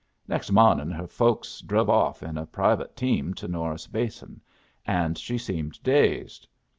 Next mawnin' her folks druv off in a private team to Norris Basin, and she seemed dazed.